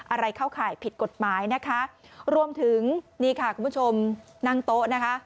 อะไรเข้าข่ายผิดกฎหมายนะคะรวมถึงนี่ค่ะคุณผู้ชมนั่งโต๊ะนะคะ